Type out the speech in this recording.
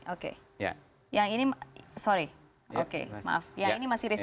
oke yang ini sorry oke maaf yang ini masih risk